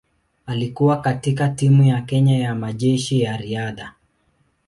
Alikuwa katika timu ya Kenya ya Majeshi ya Riadha.